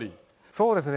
そうですね。